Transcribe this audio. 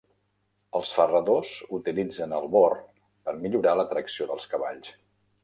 Els ferradors utilitzen el bor per millorar la tracció dels cavalls.